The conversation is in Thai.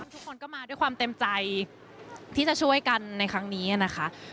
ทุกคนก็มาด้วยความเต็มใจที่จะช่วยกันในครั้งนี้นะคะ